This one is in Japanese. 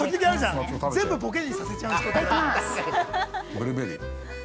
◆ブルーベリー。